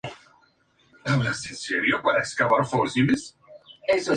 Las fuentes más directas sobre Elena son las crónicas oficiales de los emperadores.